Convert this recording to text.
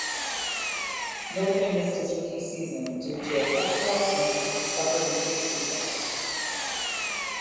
Milligan missed his rookie season due to a pectoral injury he suffered in pre-season.